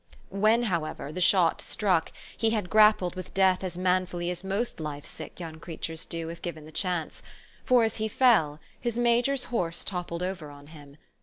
When, however, the shot struck, he had grappled with death as manfully as most life sick young crea tures do, if given the chance ; for, as he fell, his major's horse toppled over on him.